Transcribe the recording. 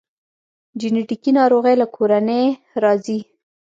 جنیټیکي ناروغۍ له کورنۍ راځي